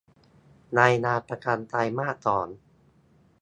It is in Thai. รายงานประจำไตรมาสสอง